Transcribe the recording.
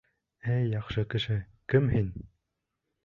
— Эй яҡшы кеше, кем һин?